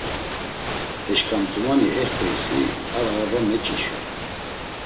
Eşǩamtumani ext̆eysi ar araba meç̌işu.